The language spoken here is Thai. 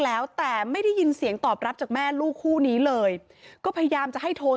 แล้วแต่ไม่ได้ยินเสียงตอบรับจากแม่ลูกคู่นี้เลยก็พยายามจะให้โทร